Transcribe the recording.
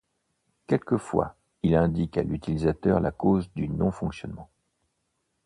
Quelquefois, il indique à l'utilisateur la cause du non-fonctionnement.